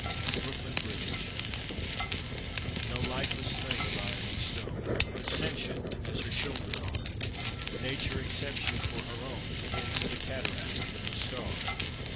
BROOKLYN BRIDGE No lifeless thing of iron and stone, But sentient, as her children are, Nature accepts you for her own, Kin to the cataract and the star.